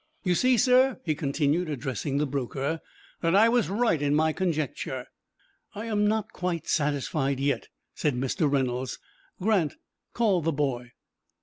"You see, sir," he continued, addressing the broker, "that I was right in my conjecture." "I am not quite satisfied yet," said Mr. Reynolds. "Grant, call the boy."